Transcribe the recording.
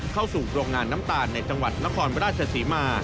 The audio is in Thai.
เข้าสู่โรงงานน้ำตาลในจังหวัดนครราชศรีมา